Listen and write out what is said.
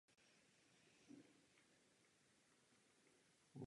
Je velmi oblíben na sociálních médiích.